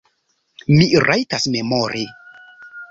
Mi rajtas memori.